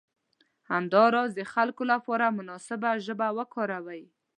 همداراز د خلکو لپاره مناسبه ژبه وکاروئ.